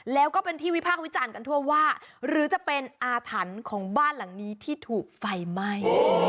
แล้วก็เป็นที่วิพากษ์วิจารณ์กันทั่วว่าหรือจะเป็นอาถรรพ์ของบ้านหลังนี้ที่ถูกไฟไหม้